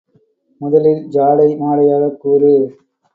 முதலில் ஜாடை மாடையாகக் கூறு!